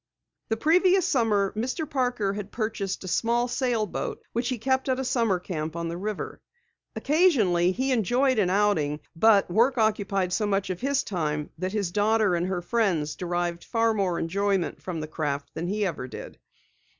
The previous summer Mr. Parker had purchased a small sailboat which he kept at a summer camp on the river. Occasionally he enjoyed an outing, but work occupied so much of his time that his daughter and her friends derived far more enjoyment from the craft than he did.